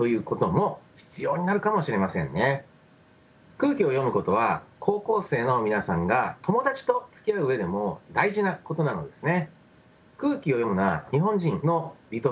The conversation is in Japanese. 空気を読むことは高校生の皆さんが友達とつきあう上でも大事なことなのですね。